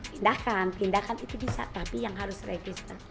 tindakan tindakan itu bisa tapi yang harus register